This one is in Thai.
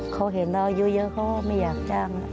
เขาเห็นเราอายุเยอะเขาก็ไม่อยากจ้าง